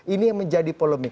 ini yang menjadi polemik